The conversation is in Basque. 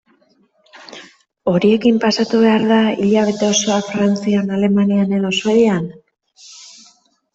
Horiekin pasatu behar da hilabete osoa Frantzian, Alemanian edo Suedian?